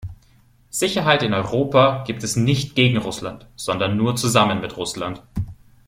Sicherheit in Europa gibt es nicht gegen Russland, sondern nur zusammen mit Russland.